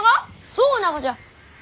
そうながじゃ！